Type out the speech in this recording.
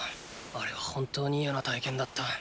あれは本当に嫌な体験だった。